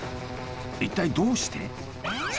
一体どうして？